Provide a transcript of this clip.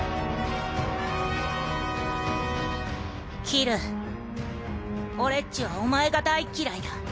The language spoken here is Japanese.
キル俺っちはお前が大っ嫌いだ。